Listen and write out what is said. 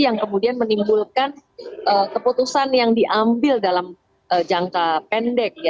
yang kemudian menimbulkan keputusan yang diambil dalam jangka pendek